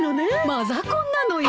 マザコンなのよ。